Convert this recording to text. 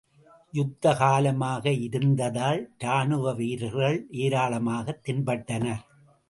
யுத்த காலமாக இருந்ததால் ராணுவவீரர்கள் ஏராளமாகத் தென்பட்டனர்.